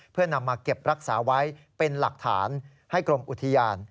เพื่อนำมาเก็บรักษาไว้เป็นหลักฐานให้กรมอุทยาน